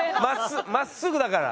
まっすぐだから。